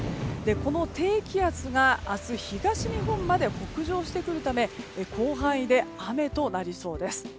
この低気圧が明日東日本まで北上してくるため広範囲で雨となりそうです。